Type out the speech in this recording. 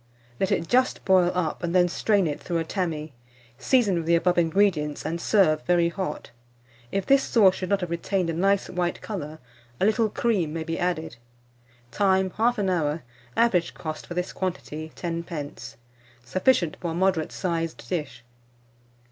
Let it just boil up, and then strain it through a tammy; season with the above ingredients, and serve very hot. If this sauce should not have retained a nice white colour, a little cream may be added. Time. 1/2 hour. Average cost, for this quantity, 10d. Sufficient for a moderate sized dish.